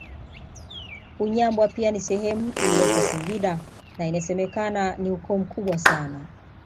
Unyambwa pia ni sehemu iliyoko Singida na inasemekana ni ukoo mkubwa sana